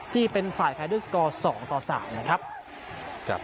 ที่เป็นฝ่ายแพ้ด้วยสกอร์๒ต่อ๓นะครับ